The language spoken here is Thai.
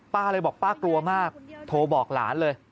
เลยบอกป้ากลัวมากโทรบอกหลานเลย